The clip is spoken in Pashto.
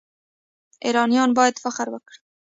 ایرانیان باید فخر وکړي.